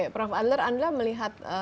prof adler anda melihat